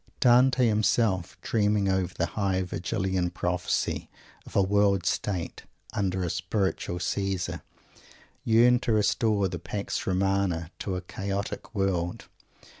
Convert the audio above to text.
Dante himself, dreaming over the high Virgilian Prophecy of a World State, under a Spiritual Caesar, yearned to restore the Pax Romana to a chaotic world.